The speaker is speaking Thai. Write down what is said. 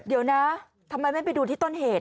เดี๋ยวนะทำไมไม่ไปดูที่ต้นเหตุ